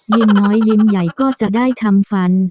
ยิ้มน้อยยิ้มใหญ่ก็จะได้ทำฟัน